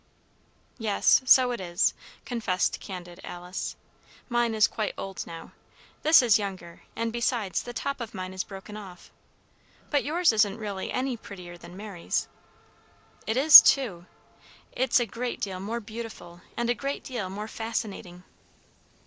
"Yes, so it is," confessed candid Alice. "Mine is quite old now. This is younger, and, besides, the top of mine is broken off. But yours isn't really any prettier than Mary's." "It is too! It's a great deal more beautiful and a great deal more fascinating."